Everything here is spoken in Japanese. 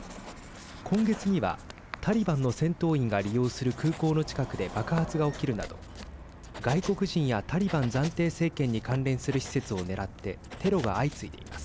今月にはタリバンの戦闘員が利用する空港の近くで爆発が起きるなど外国人やタリバン暫定政権に関連する施設を狙ってテロが相次いでいます。